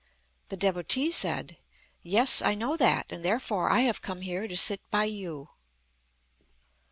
The Devotee said: "Yes, I know that, and therefore I have come here to sit by you."